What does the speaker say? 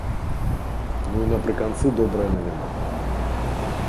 Ну і напрыканцы добрая навіна.